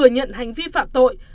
ngừa nhận hành vi phạm tội